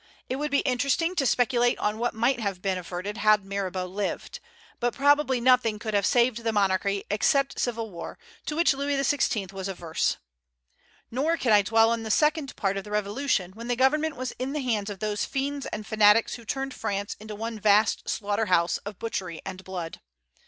It would be interesting to speculate on what might have been averted, had Mirabeau lived. But probably nothing could have saved the monarchy except civil war, to which Louis XVI. was averse. Nor can I dwell on the second part of the Revolution, when the government was in the hands of those fiends and fanatics who turned France into one vast slaughter house of butchery and blood.